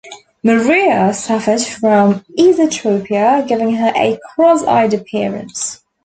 Maria suffered from Esotropia giving her a "cross-eyed" appearance.